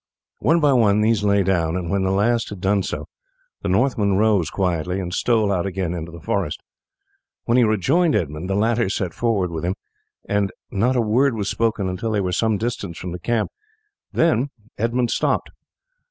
One by one these lay down, and when the last had done so the Northman rose quietly and stole out again into the forest. When he rejoined Edmund the latter set forward with him, and not a word was spoken until they were some distance from the camp; then Edmund stopped.